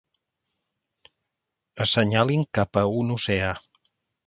Assenyalin cap a un oceà.